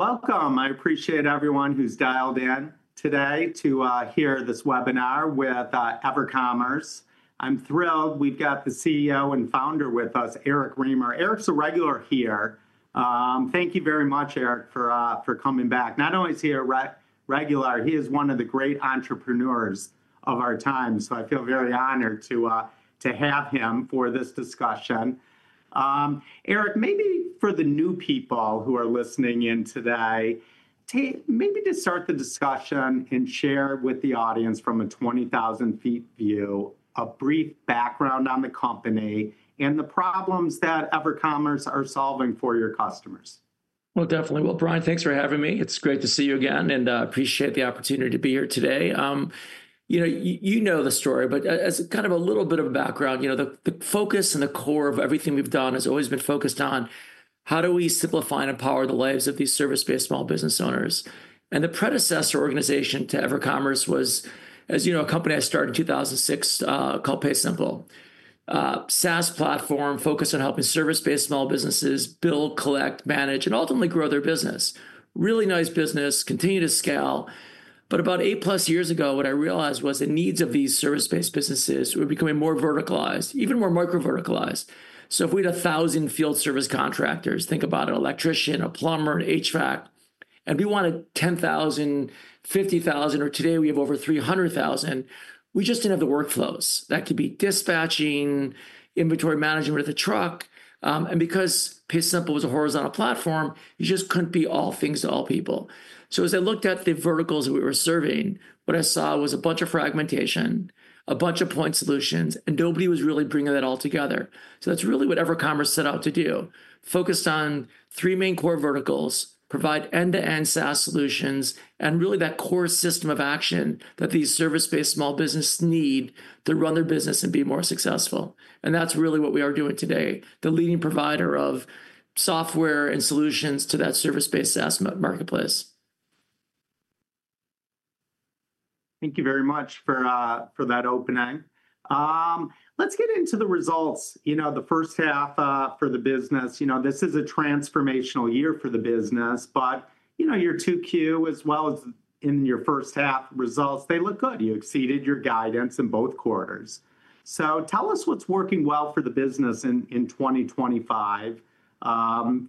Welcome. I appreciate everyone who's dialed in today to hear this webinar with EverCommerce. I'm thrilled we've got the CEO and founder with us, Eric Remer. Eric's a regular here. Thank you very much, Eric, for coming back. Not only is he a regular, he is one of the great entrepreneurs of our time. I feel very honored to have him for this discussion. Eric, maybe for the new people who are listening in today, take maybe to start the discussion and share with the audience from a 20,000 feet view a brief background on the company and the problems that EverCommerce are solving for your customers. Brian, thanks for having me. It's great to see you again and appreciate the opportunity to be here today. You know the story, but as kind of a little bit of a background, the focus and the core of everything we've done has always been focused on how do we simplify and empower the lives of these service-based small business owners. The predecessor organization to EverCommerce was, as you know, a company I started in 2006, called PaySimple. SaaS platform focused on helping service-based small businesses build, collect, manage, and ultimately grow their business. Really nice business, continued to scale. About eight plus years ago, what I realized was the needs of these service-based businesses were becoming more verticalized, even more micro-verticalized. If we had a thousand field service contractors, think about an electrician, a plumber, an HVAC, and we wanted 10,000, 50,000, or today we have over 300,000. We just didn't have the workflows. That could be dispatching, inventory management of the truck. Because PaySimple was a horizontal platform, you just couldn't be all things to all people. As I looked at the verticals that we were serving, what I saw was a bunch of fragmentation, a bunch of point solutions, and nobody was really bringing that all together. That's really what EverCommerce set out to do. Focus on three main core verticals, provide end-to-end SaaS solutions, and really that core system of action that these service-based small businesses need to run their business and be more successful. That's really what we are doing today, the leading provider of software and solutions to that service-based SaaS marketplace. Thank you very much for that opening. Let's get into the results. The first half for the business, this is a transformational year for the business, but your 2Q as well as your first half results, they look good. You exceeded your guidance in both quarters. Tell us what's working well for the business in 2025.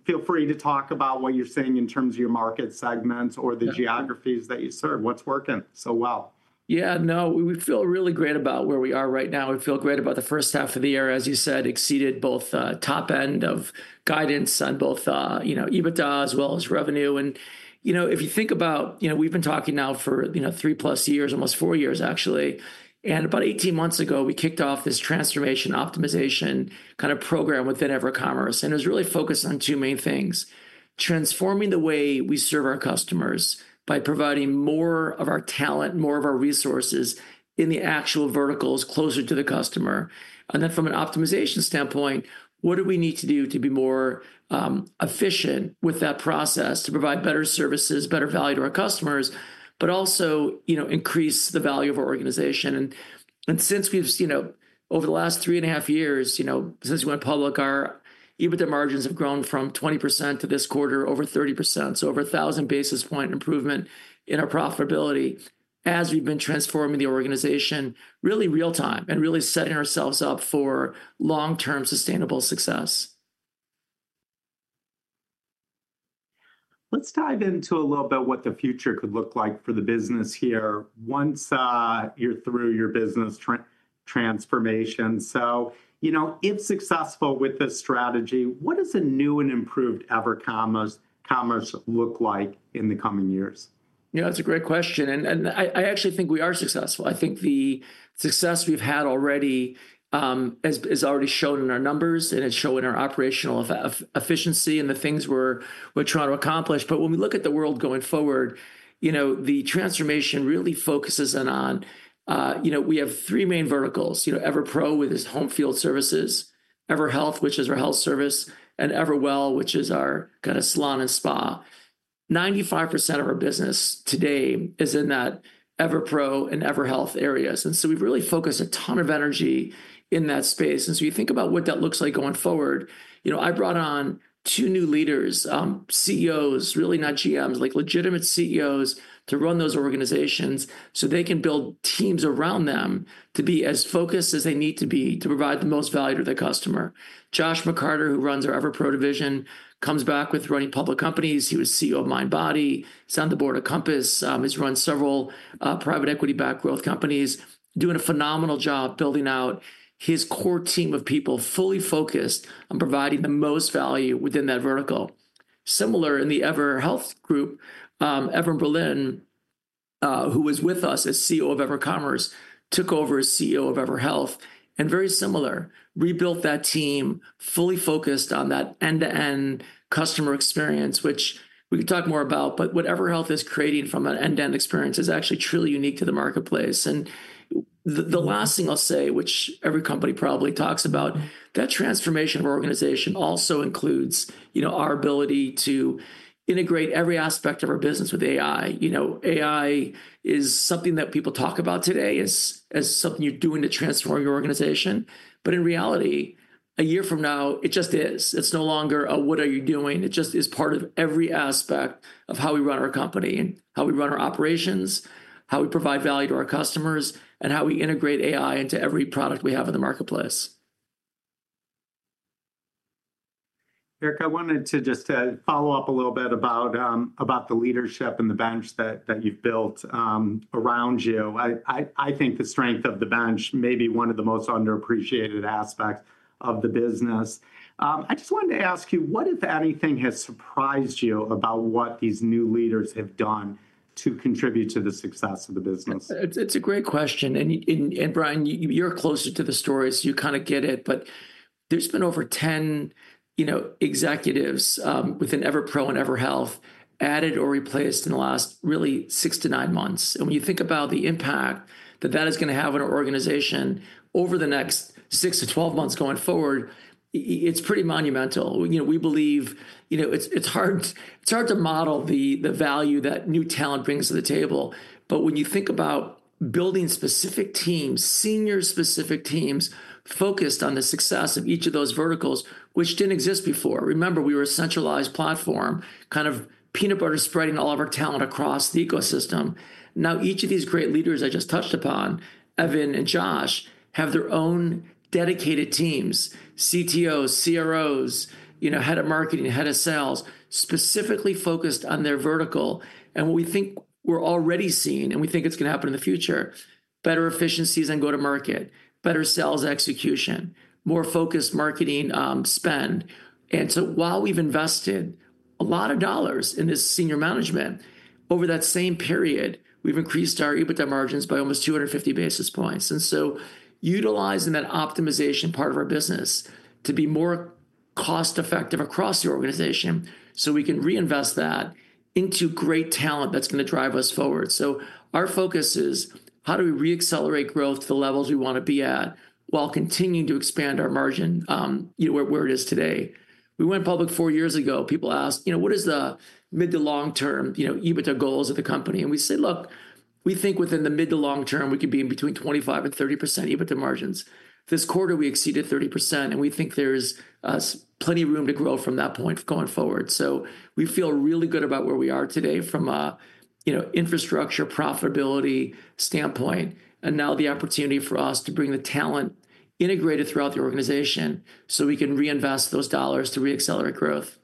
Feel free to talk about what you're seeing in terms of your market segments or the geographies that you serve. What's working so well? Yeah, no, we feel really great about where we are right now. We feel great about the first half of the year, as you said, exceeded both, top end of guidance on both, you know, EBITDA as well as revenue. If you think about, you know, we've been talking now for, you know, three plus years, almost four years actually. About 18 months ago, we kicked off this transformation optimization kind of program within EverCommerce. It was really focused on two main things: transforming the way we serve our customers by providing more of our talent, more of our resources in the actual verticals closer to the customer. From an optimization standpoint, what do we need to do to be more efficient with that process to provide better services, better value to our customers, but also, you know, increase the value of our organization. Since we've, you know, over the last three and a half years, you know, since we went public, our EBITDA margins have grown from 20% to this quarter, over 30%. Over a thousand basis point improvement in our profitability as we've been transforming the organization really real time and really setting ourselves up for long-term sustainable success. Let's dive into a little bit of what the future could look like for the business here once you're through your business transformation. If successful with this strategy, what does a new and improved EverCommerce look like in the coming years? That's a great question. I actually think we are successful. I think the success we've had already is shown in our numbers and is shown in our operational efficiency and the things we're trying to accomplish. When we look at the world going forward, the transformation really focuses in on, we have three main verticals: EverPro, with its home field services; EverHealth, which is our health service; and EverWell, which is our kind of salon and spa. 95% of our business today is in that EverPro and EverHealth areas. We've really focused a ton of energy in that space. You think about what that looks like going forward. I brought on two new leaders, CEOs, really not GMs, like legitimate CEOs to run those organizations so they can build teams around them to be as focused as they need to be to provide the most value to the customer. Josh McCarter, who runs our EverPro division, comes back with running public companies. He was CEO of Mindbody. He's on the board of Compass. He's run several private equity-backed growth companies, doing a phenomenal job building out his core team of people fully focused on providing the most value within that vertical. Similar in the EverHealth group, Evan Berlin, who was with us as CEO of EverCommerce, took over as CEO of EverHealth and very similar, rebuilt that team fully focused on that end-to-end customer experience, which we could talk more about. What EverHealth is creating from an end-to-end experience is actually truly unique to the marketplace. The last thing I'll say, which every company probably talks about, that transformation of our organization also includes our ability to integrate every aspect of our business with AI. AI is something that people talk about today as something you're doing to transform your organization. In reality, a year from now, it just is. It's no longer a what are you doing. It just is part of every aspect of how we run our company and how we run our operations, how we provide value to our customers, and how we integrate AI into every product we have in the marketplace. Eric, I wanted to just follow up a little bit about the leadership and the bench that you've built around you. I think the strength of the bench may be one of the most underappreciated aspects of the business. I just wanted to ask you what, if anything, has surprised you about what these new leaders have done to contribute to the success of the business? It's a great question. Brian, you're closer to the story, so you kind of get it. There's been over 10 executives within EverPro and EverHealth added or replaced in the last really six to nine months. When you think about the impact that that is going to have on our organization over the next six to 12 months going forward, it's pretty monumental. We believe it's hard to model the value that new talent brings to the table. When you think about building specific teams, senior specific teams focused on the success of each of those verticals, which didn't exist before. Remember, we were a centralized platform, kind of peanut butter spreading all of our talent across the ecosystem. Now, each of these great leaders I just touched upon, Evan and Josh, have their own dedicated teams, CTOs, CROs, head of marketing, head of sales, specifically focused on their vertical. What we think we're already seeing, and we think it's going to happen in the future, is better efficiencies on go-to-market, better sales execution, more focused marketing spend. While we've invested a lot of dollars in this senior management, over that same period, we've increased our EBITDA margins by almost 250 basis points. Utilizing that optimization part of our business to be more cost-effective across the organization so we can reinvest that into great talent that's going to drive us forward. Our focus is how do we re-accelerate growth to the levels we want to be at while continuing to expand our margin, you know, where it is today. We went public four years ago. People asked, what is the mid to long-term EBITDA goals of the company? We said, look, we think within the mid to long term, we could be in between 25% and 30% EBITDA margins. This quarter, we exceeded 30%, and we think there's plenty of room to grow from that point going forward. We feel really good about where we are today from an infrastructure profitability standpoint and now the opportunity for us to bring the talent integrated throughout the organization so we can reinvest those dollars to re-accelerate growth.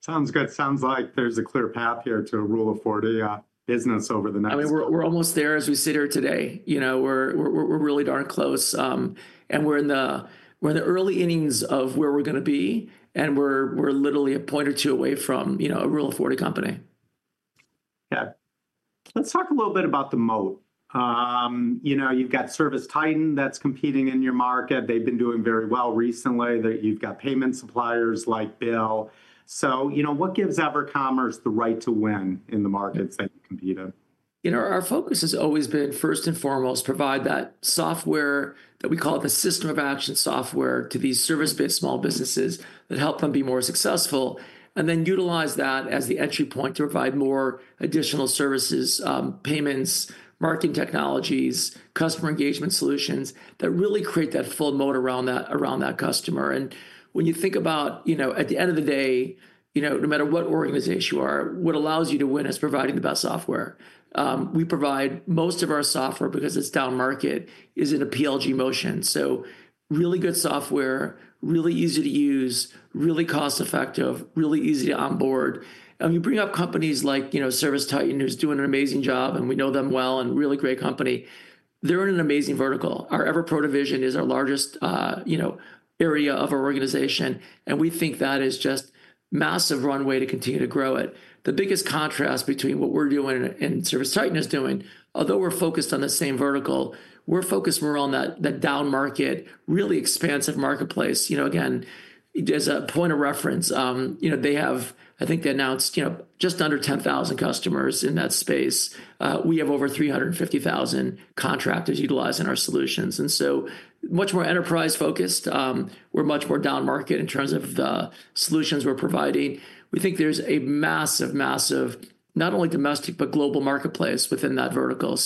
Sounds good. Sounds like there's a clear path here to a rule of 40 business over the next. I mean, we're almost there as we sit here today. We're really darn close, and we're in the early innings of where we're going to be. We're literally a point or two away from a rule of 40 company. Yeah. Let's talk a little bit about the moat. You know, you've got ServiceTitan that's competing in your market. They've been doing very well recently. You've got payment suppliers like Bill. You know, what gives EverCommerce the right to win in the markets that you compete in? Our focus has always been first and foremost to provide that software that we call the system of action software to these service-based small businesses that help them be more successful, and then utilize that as the entry point to provide more additional services, payments, marketing technologies, customer engagement solutions that really create that full moat around that customer. When you think about, at the end of the day, no matter what organization you are, what allows you to win is providing the best software. We provide most of our software because it's down market, is in a PLG motion. Really good software, really easy to use, really cost-effective, really easy to onboard. You bring up companies like ServiceTitan, who's doing an amazing job, and we know them well and really great company. They're in an amazing vertical. Our EverPro division is our largest area of our organization, and we think that is just a massive runway to continue to grow it. The biggest contrast between what we're doing and what ServiceTitan is doing, although we're focused on the same vertical, we're focused more on that down market, really expansive marketplace. As a point of reference, they have, I think they announced, just under 10,000 customers in that space. We have over 350,000 contractors utilizing our solutions. Much more enterprise focused, we're much more down market in terms of the solutions we're providing. We think there's a massive, massive, not only domestic but global marketplace within that vertical. At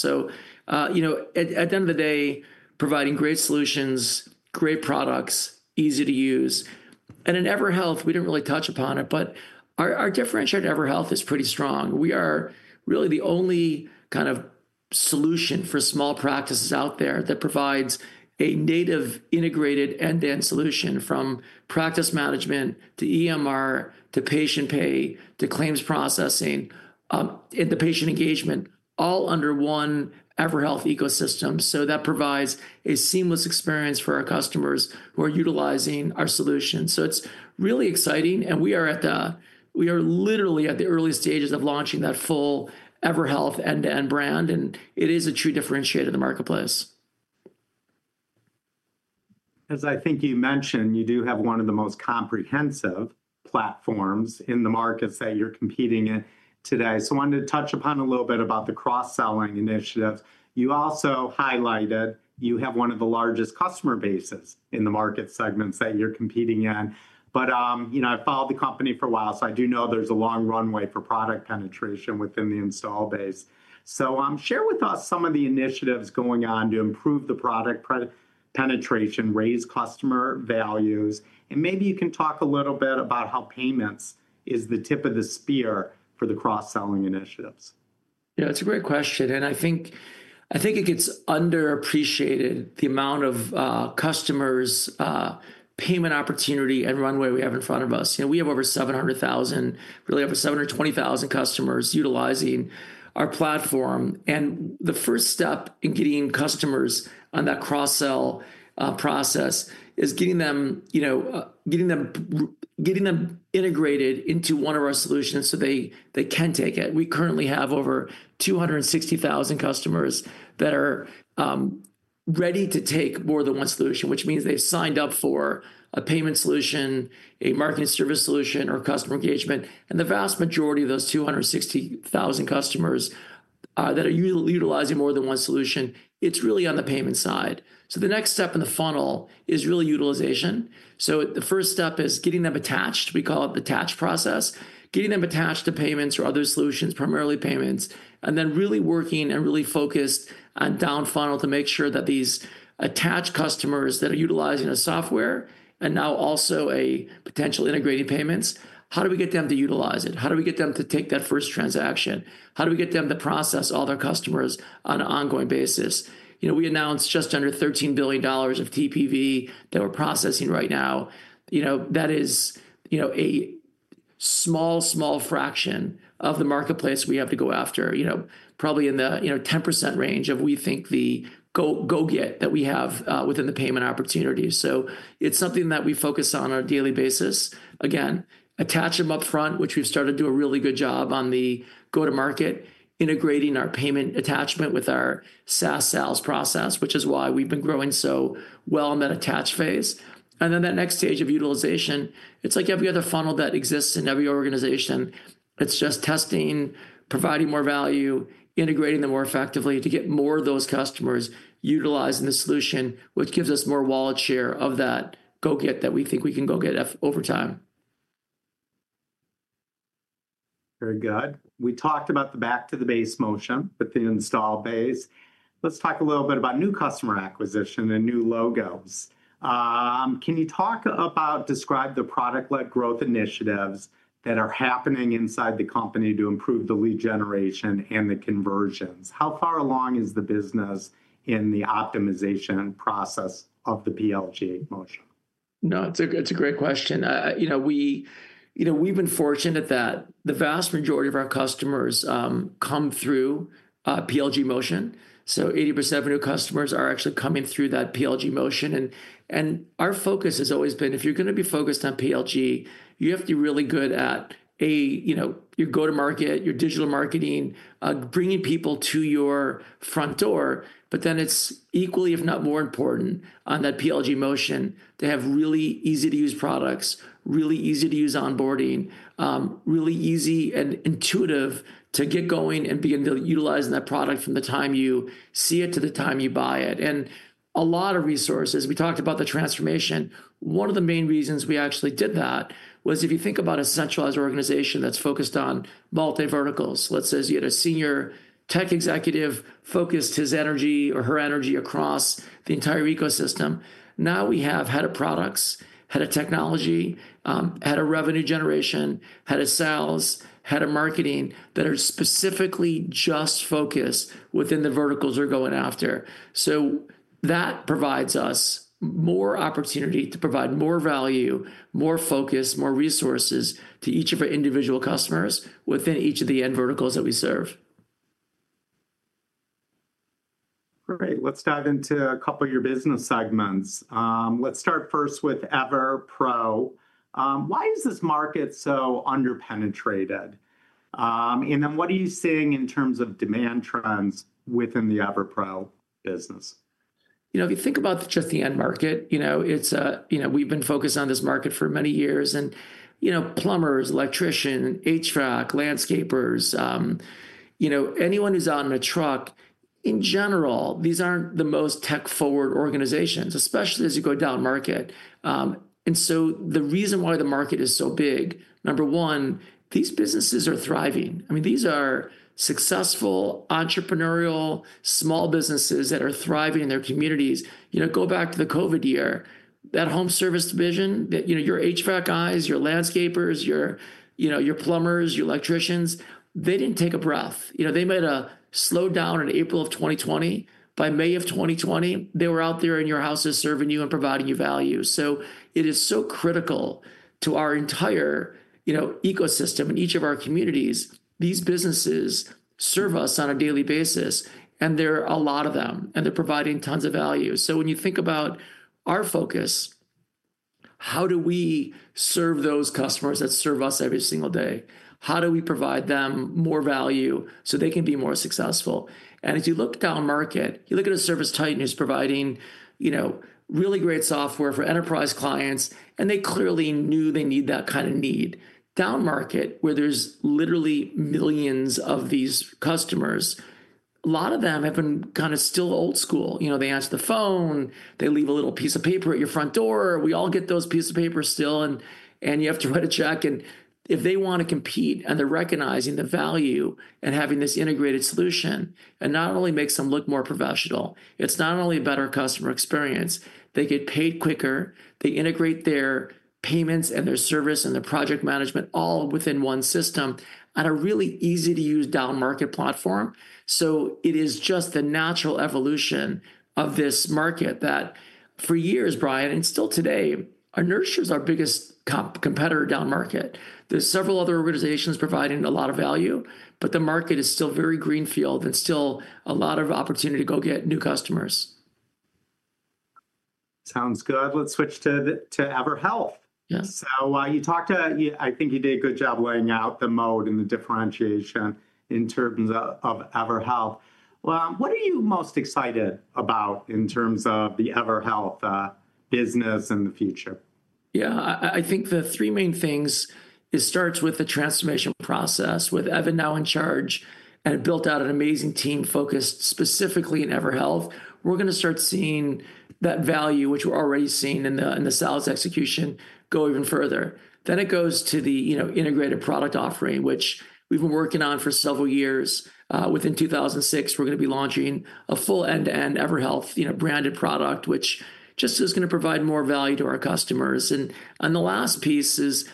the end of the day, providing great solutions, great products, easy to use. In EverHealth, we didn't really touch upon it, but our differentiator in EverHealth is pretty strong. We are really the only kind of solution for small practices out there that provides a native integrated end-to-end solution from practice management to EMR to patient pay to claims processing and the patient engagement, all under one EverHealth ecosystem. That provides a seamless experience for our customers who are utilizing our solution. It's really exciting. We are literally at the early stages of launching that full EverHealth end-to-end brand, and it is a true differentiator in the marketplace. As I think you mentioned, you do have one of the most comprehensive platforms in the markets that you're competing in today. I wanted to touch upon a little bit about the cross-selling initiatives. You also highlighted you have one of the largest customer bases in the market segments that you're competing in. I've followed the company for a while, so I do know there's a long runway for product penetration within the install base. Share with us some of the initiatives going on to improve the product penetration, raise customer values, and maybe you can talk a little bit about how payments is the tip of the spear for the cross-selling initiatives. Yeah, that's a great question. I think it gets underappreciated, the amount of customers, payment opportunity, and runway we have in front of us. We have over 700,000, really over 720,000 customers utilizing our platform. The first step in getting customers on that cross-sell process is getting them integrated into one of our solutions so they can take it. We currently have over 260,000 customers that are ready to take more than one solution, which means they've signed up for a payment solution, a marketing service solution, or customer engagement. The vast majority of those 260,000 customers that are utilizing more than one solution, it's really on the payment side. The next step in the funnel is really utilization. The first step is getting them attached. We call it the attach process, getting them attached to payments or other solutions, primarily payments, and then really working and really focused on down funnel to make sure that these attached customers that are utilizing a software and now also a potential integrated payments, how do we get them to utilize it? How do we get them to take that first transaction? How do we get them to process all their customers on an ongoing basis? We announced just under $13 billion of TPV that we're processing right now. That is a small, small fraction of the marketplace we have to go after, probably in the 10% range of we think the go-get that we have within the payment opportunity. It's something that we focus on on a daily basis. Again, attach them up front, which we've started to do a really good job on the go-to-market, integrating our payment attachment with our SaaS sales process, which is why we've been growing so well in that attach phase. That next stage of utilization, it's like every other funnel that exists in every organization. It's just testing, providing more value, integrating them more effectively to get more of those customers utilizing the solution, which gives us more wallet share of that go-get that we think we can go get over time. Very good. We talked about the back to the base motion with the install base. Let's talk a little bit about new customer acquisition and new logos. Can you talk about, describe the product-led growth initiatives that are happening inside the company to improve the lead generation and the conversions? How far along is the business in the optimization process of the PLG motion? No, it's a great question. We've been fortunate that the vast majority of our customers come through PLG motion. 80% of new customers are actually coming through that PLG motion. Our focus has always been, if you're going to be focused on PLG, you have to be really good at your go-to-market, your digital marketing, bringing people to your front door. It's equally, if not more important, on that PLG motion to have really easy-to-use products, really easy-to-use onboarding, really easy and intuitive to get going and be able to utilize that product from the time you see it to the time you buy it. A lot of resources. We talked about the transformation. One of the main reasons we actually did that was if you think about a centralized organization that's focused on multi-verticals, let's say you had a senior tech executive focus his energy or her energy across the entire ecosystem. Now we have Head of Products, Head of Technology, Head of Revenue Generation, Head of Sales, Head of Marketing that are specifically just focused within the verticals they're going after. That provides us more opportunity to provide more value, more focus, more resources to each of our individual customers within each of the end verticals that we serve. Great. Let's dive into a couple of your business segments. Let's start first with EverPro. Why is this market so underpenetrated? What are you seeing in terms of demand trends within the EverPro business? If you think about just the end market, we've been focused on this market for many years. Plumbers, electricians, HVAC, landscapers, anyone who's on the truck—in general, these aren't the most tech-forward organizations, especially as you go down market. The reason why the market is so big, number one, these businesses are thriving. These are successful entrepreneurial small businesses that are thriving in their communities. Go back to the COVID year, that home service division—your HVAC guys, your landscapers, your plumbers, your electricians—they didn't take a breath. They might have slowed down in April of 2020. By May of 2020, they were out there in your houses serving you and providing you value. It is so critical to our entire ecosystem in each of our communities. These businesses serve us on a daily basis, and there are a lot of them, and they're providing tons of value. When you think about our focus, how do we serve those customers that serve us every single day? How do we provide them more value so they can be more successful? If you look down market, you look at a ServiceTitan who's providing really great software for enterprise clients, and they clearly knew they need that kind of need. Down market, where there's literally millions of these customers, a lot of them have been kind of still old school. They answer the phone, they leave a little piece of paper at your front door. We all get those pieces of paper still, and you have to write a check. If they want to compete, and they're recognizing the value in having this integrated solution, it not only makes them look more professional, it's not only a better customer experience. They get paid quicker. They integrate their payments and their service and their project management all within one system on a really easy-to-use down market platform. It is just the natural evolution of this market that for years, Brian, and still today, inertia is our biggest competitor down market. There are several other organizations providing a lot of value, but the market is still very greenfield and still a lot of opportunity to go get new customers. Sounds good. Let's switch to EverHealth. Yes. I think you did a good job laying out the moat and the differentiation in terms of EverHealth. What are you most excited about in terms of the EverHealth business and the future? Yeah, I think the three main things, it starts with the transformation process with Evan now in charge and built out an amazing team focused specifically on EverHealth. We're going to start seeing that value, which we're already seeing in the sales execution, go even further. It goes to the integrated product offering, which we've been working on for several years. In 2026, we're going to be launching a full end-to-end EverHealth branded product, which just is going to provide more value to our customers. The last piece is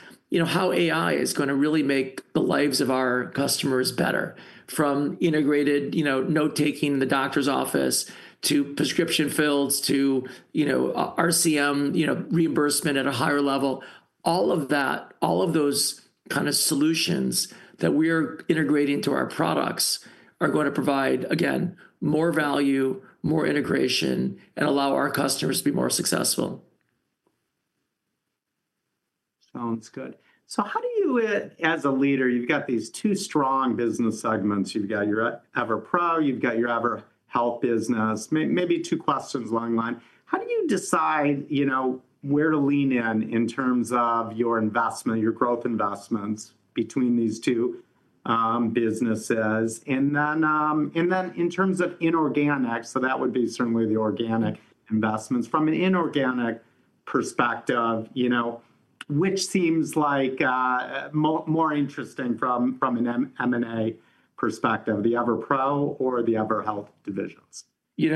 how AI is going to really make the lives of our customers better. From integrated note-taking in the doctor's office to prescription fills to RCM reimbursement at a higher level, all of those kind of solutions that we are integrating into our products are going to provide, again, more value, more integration, and allow our customers to be more successful. Sounds good. How do you, as a leader, you've got these two strong business segments. You've got your EverPro, you've got your EverHealth business. Maybe two questions along the line. How do you decide where to lean in in terms of your investment, your growth investments between these two businesses? In terms of inorganic, that would be certainly the organic investments. From an inorganic perspective, which seems like more interesting from an M&A perspective, the EverPro or the EverHealth divisions? We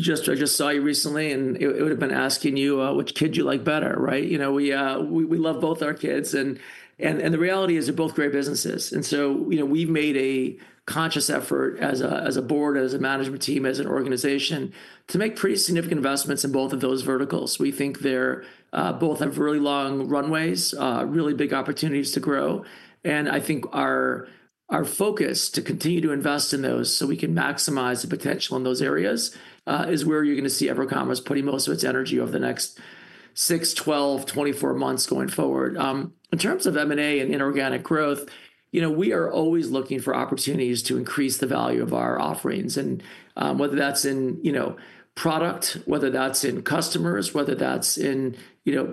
just saw you recently and it would have been asking you which kid you like better, right? We love both our kids and the reality is they're both great businesses. We've made a conscious effort as a Board, as a management team, as an organization to make pretty significant investments in both of those verticals. We think they both have really long runways, really big opportunities to grow. I think our focus to continue to invest in those so we can maximize the potential in those areas is where you're going to see EverCommerce putting most of its energy over the next 6, 12, 24 months going forward. In terms of M&A and inorganic growth, we are always looking for opportunities to increase the value of our offerings. Whether that's in product, whether that's in customers, whether that's in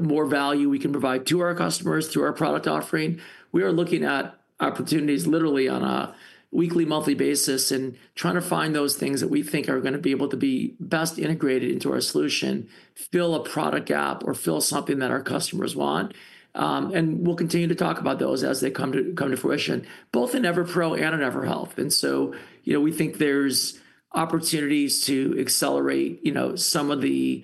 more value we can provide to our customers, to our product offering, we are looking at opportunities literally on a weekly, monthly basis and trying to find those things that we think are going to be able to be best integrated into our solution, fill a product gap, or fill something that our customers want. We'll continue to talk about those as they come to fruition, both in EverPro and in EverHealth. We think there's opportunities to accelerate some of the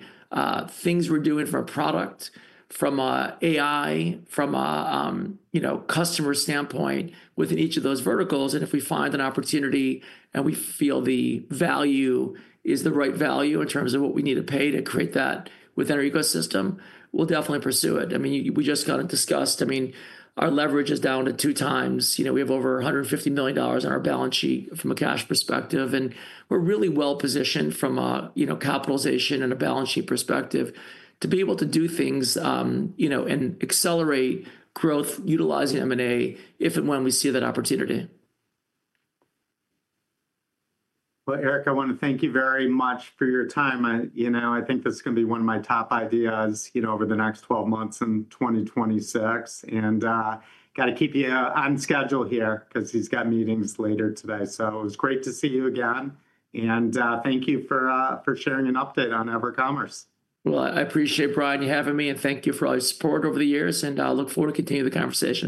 things we're doing for a product, from an AI, from a customer standpoint within each of those verticals. If we find an opportunity and we feel the value is the right value in terms of what we need to pay to create that within our ecosystem, we'll definitely pursue it. I mean, we just discussed our leverage is down to two times. We have over $150 million on our balance sheet from a cash perspective. We're really well positioned from a capitalization and a balance sheet perspective to be able to do things and accelerate growth utilizing M&A if and when we see that opportunity. Eric, I want to thank you very much for your time. I think this is going to be one of my top ideas over the next 12 months in 2026. I got to keep you on schedule here because he's got meetings later today. It was great to see you again, and thank you for sharing an update on EverCommerce. I appreciate, Brian, you having me. Thank you for all your support over the years. I look forward to continuing the conversation.